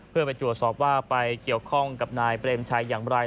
เพื่อไปตรวจสอบว่าไปเกี่ยวข้องกับนายเปรมชัยอย่างไร